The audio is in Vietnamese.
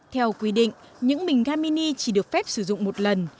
theo quy định những bình ga mini chỉ được phép sử dụng một lần